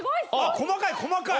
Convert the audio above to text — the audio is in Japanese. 細かい細かい！